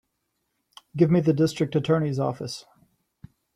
Give me the District Attorney's office.